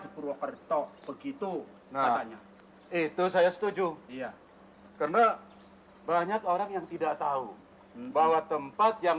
purwokerto begitu katanya itu saya setuju iya karena banyak orang yang tidak tahu bahwa tempat yang